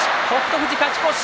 富士、勝ち越し。